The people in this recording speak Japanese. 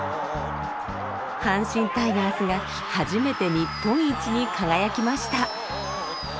阪神タイガースが初めて日本一に輝きました。